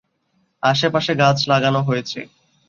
আশেপাশে গাছ লাগান হয়েছে।